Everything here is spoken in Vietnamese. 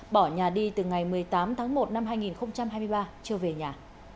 bỏ nhà đi từ ngày một mươi tám tháng một năm hai nghìn hai mươi ba chưa về nhà